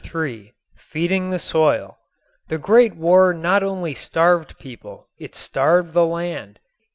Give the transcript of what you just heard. III FEEDING THE SOIL The Great War not only starved people: it starved the land.